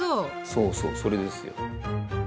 そうそうそれですよ。